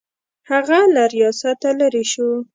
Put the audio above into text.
هغه له ریاسته لیرې شو.